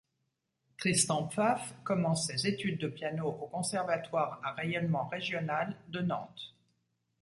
Tristan Pfaff commence ses études de piano au conservatoire à rayonnement régional de Nantes.